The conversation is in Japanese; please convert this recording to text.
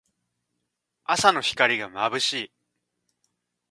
朝の光がまぶしい。